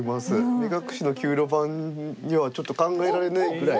目隠しの９路盤にはちょっと考えられないぐらい。